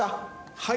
はい。